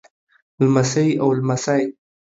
لمسۍ او لمسى